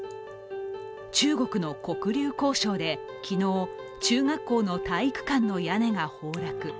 中国の黒竜江省で昨日、中学校の体育館の屋根が崩落。